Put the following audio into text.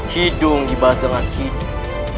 hidung dibalas dengan hidung